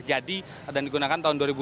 jadi dan digunakan tahun dua ribu dua